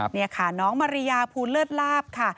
นี่ค่ะน้องมาริยาภูเลิศลาบค่ะ